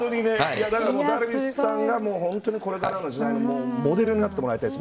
ダルビッシュさんが本当にこれからの時代のモデルになってもらいたいです。